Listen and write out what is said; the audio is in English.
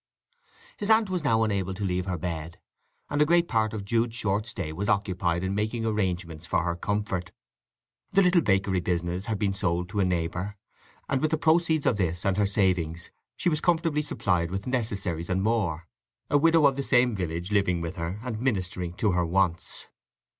His aunt was now unable to leave her bed, and a great part of Jude's short day was occupied in making arrangements for her comfort. The little bakery business had been sold to a neighbour, and with the proceeds of this and her savings she was comfortably supplied with necessaries and more, a widow of the same village living with her and ministering to her wants.